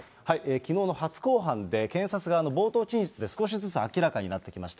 きのうの初公判で、検察側の冒頭陳述で少しずつ明らかになってきました。